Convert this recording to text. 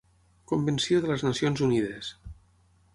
Convenció de les Nacions Unides.